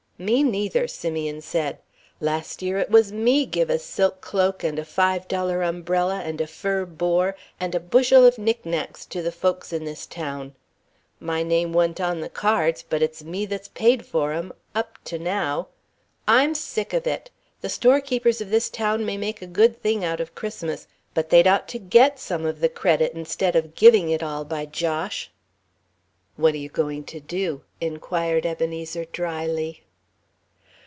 "Me neither," Simeon said. "Last year it was me give a silk cloak and a Five Dollar umbrella and a fur bore and a bushel of knick knicks to the folks in this town. My name wa'n't on the cards, but it's me that's paid for 'em up to now. I'm sick of it. The storekeepers of this town may make a good thing out of Christmas, but they'd ought to get some of the credit instead of giving it all, by Josh." "What you going to do?" inquired Ebenezer, dryly.